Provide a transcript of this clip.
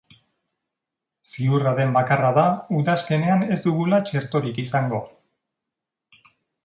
Ziurra den bakarra da udazkenean ez dugula txertorik izango.